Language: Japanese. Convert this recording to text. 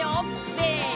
せの！